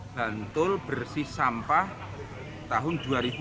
bantul bersih sampah tahun dua ribu dua puluh